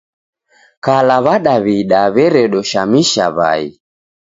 Kala W'adaw'ida weredoshamisha w'ai.